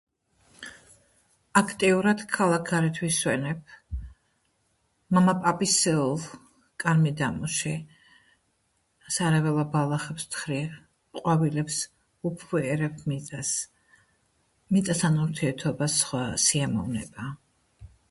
აქტიურად ქალაქგარეთ ვისვენებ, მამაპისეულ კარმიდამოში, სარეველა ბალახებს ვთხრი, ყვავილებს ვუფხვიერებ მიწას, მიწასთან ურთიერთობა სხვა სიამოვნებაა.